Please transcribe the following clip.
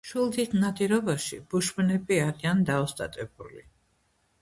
მშვილდით ნადირობაში ბუშმენები არიან დაოსტატებული.